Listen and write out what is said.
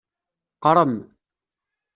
Qrem.